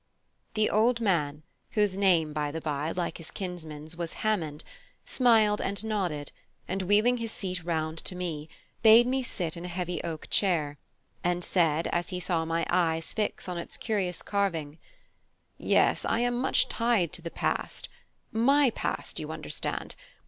The old man, whose name, by the bye, like his kinsman's, was Hammond, smiled and nodded, and wheeling his seat round to me, bade me sit in a heavy oak chair, and said, as he saw my eyes fix on its curious carving: "Yes, I am much tied to the past, my past, you understand.